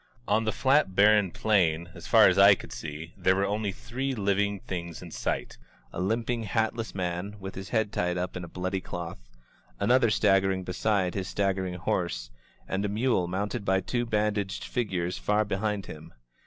On the flat barren plain, as far as I could see, there were only three Uving things in sight: a limping, hatless man, with his head tied up in a bloody cloth; another staggering beside his staggering horse; and a mule mounted by two bandaged figures far be hind them.